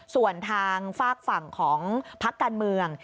ส่วนทางฝากฝั่งของพักการเมือง